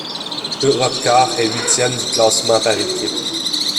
Europcar est huitième du classement par équipes.